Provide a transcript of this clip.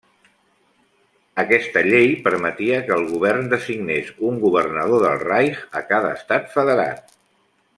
Aquesta llei permetia que el govern designés un Governador del Reich a cada estat federat.